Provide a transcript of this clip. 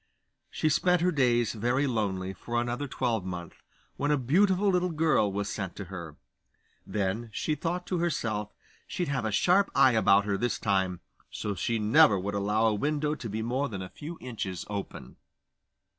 She spent her days very lonely for another twelvemonth, when a beautiful little girl was sent to her. Then she thought to herself she'd have a sharp eye about her this time; so she never would allow a window to be more than a few inches open.